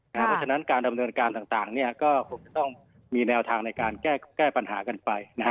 เพราะฉะนั้นการดำเนินการต่างก็คงจะต้องมีแนวทางในการแก้ปัญหากันไป